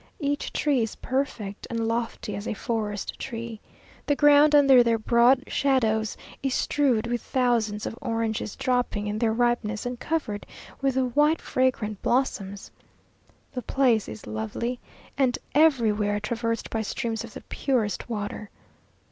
Each tree is perfect, and lofty as a forest tree. The ground under their broad shadows is strewed with thousands of oranges, dropping in their ripeness, and covered with the white, fragrant blossoms. The place is lovely, and everywhere traversed by streams of the purest water.